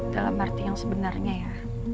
dalam arti yang sebenarnya ya